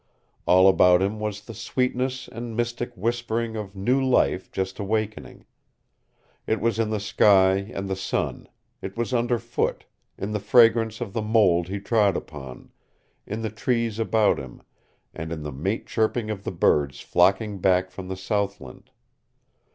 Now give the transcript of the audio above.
All about him was the sweetness and mystic whispering of new life just awakening. It was in the sky and the sun; it was underfoot, in the fragrance of the mold he trod upon, in the trees about him, and in the mate chirping of the birds flocking back from the southland.